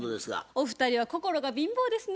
お二人は心が貧乏ですね。